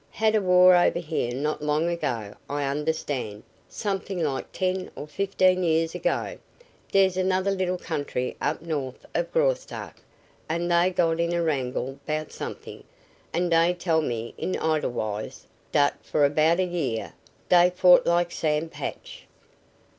Had a war over here not long ago, I understand somethin' like ten or fifteen years ago. Dere's another little country up north of Graustark, and dey got in a wrangle 'bout somethin', and dey tell me in Edelweiss dat for 'bout a year dey fought like Sam Patch."